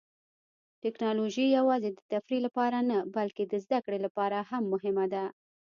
ټیکنالوژي یوازې د تفریح لپاره نه، بلکې د زده کړې لپاره هم مهمه ده.